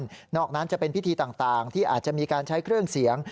ซึ่งนอกนั้นจะเป็นพิธีต่างที่อาจจะมีการใช้เครื่องเสียง